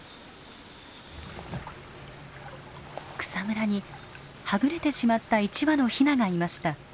草むらにはぐれてしまった１羽のヒナがいました。